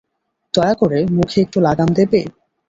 দয়া করে মুখে একটু লাগাম দেবে?